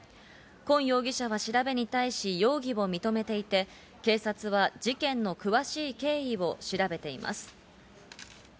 今容疑者は調べに対し、容疑を認めていて、警察は事件の詳しい経緯を調べています。